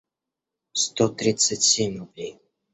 сто тридцать семь рублей